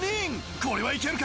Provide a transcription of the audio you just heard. これはいけるか？